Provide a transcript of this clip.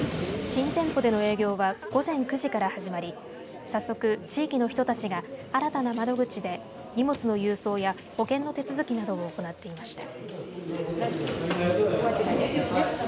新店舗での営業は午前９時から始まり早速、地域の人たちが新たな窓口で荷物の郵送や保険の手続きなどを行っていました。